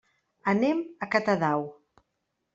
Anem a Catadau.